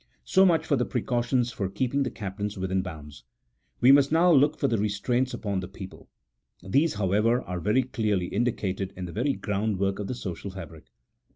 So much for the precautions for keeping the captains within bounds. We must now look for the restraints upon the people : these, however, are very clearly indicated in the very groundwork of the social fabric.